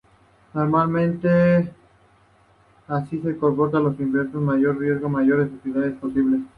Normalmente así se comportan las inversiones, a mayor riesgo mayores utilidades posibles.